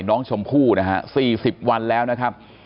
น้องชมพู่นะฮะ๔๐วันแล้วนะครับ